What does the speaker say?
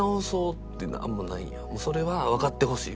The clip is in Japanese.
それはわかってほしい？